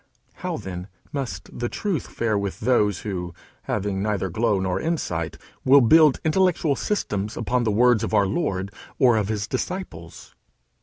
How, then, must the truth fare with those who, having neither glow nor insight, will build intellectual systems upon the words of our Lord, or of his disciples?